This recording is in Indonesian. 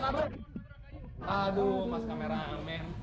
aduh mas kameramen